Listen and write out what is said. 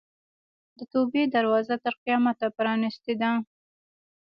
د توبې دروازه تر قیامته پرانستې ده.